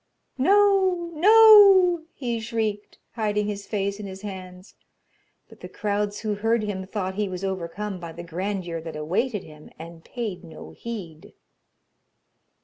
'No! no!' he shrieked, hiding his face in his hands; but the crowds who heard him thought he was overcome by the grandeur that awaited him, and paid no heed.